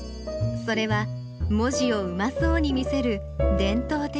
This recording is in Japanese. それは文字をうまそうに見せる伝統的な技。